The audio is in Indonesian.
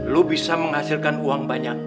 lo bisa menghasilkan uang banyak